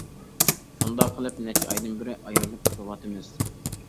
شۇنداق قىلىپ نەچچە ئايدىن بېرى ئايرىلىپ تۇرۇۋاتىمىز.